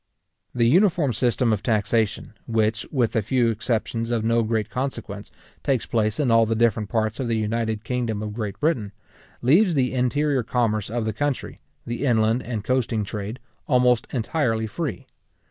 The uniform system of taxation, which, with a few exception of no great consequence, takes place in all the different parts of the united kingdom of Great Britain, leaves the interior commerce of the country, the inland and coasting trade, almost entirely free.